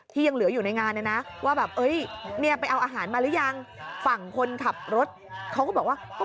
ที่ยังเหลืออยู่ในงานนะว่าไปเอาอาหารมาหรือยังฝั่งคนขับรถเขาก็บอกว่า